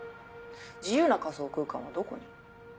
自由な仮想空間はどこに？